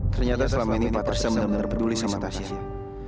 ternyata selama ini pak presiden benar benar peduli sama tasyah